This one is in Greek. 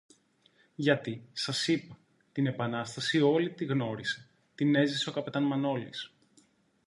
Γιατί, σας είπα, την Επανάσταση όλη τη γνώρισε, την έζησε ο καπετάν-Μανόλης